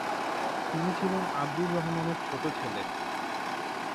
তিনি ছিলেন আব্দুর রহমানের ছোট ছেলে।